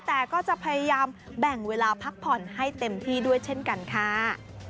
แต่ก็จะพยายามแบ่งเวลาพักผ่อนให้เต็มที่ด้วยเช่นกันค่ะ